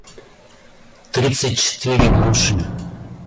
тридцать четыре груши